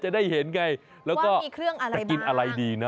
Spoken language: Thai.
จะได้เห็นไงแล้วก็มีเครื่องอะไรจะกินอะไรดีนะ